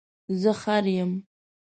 زه خر یم